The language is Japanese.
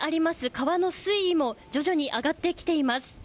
川の水位も徐々に上がってきています。